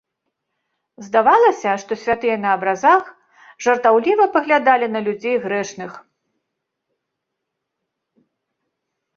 Здавалася, што святыя на абразах жартаўліва паглядалі на людзей грэшных.